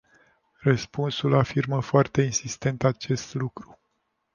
Răspunsul afirmă foarte insistent acest lucru.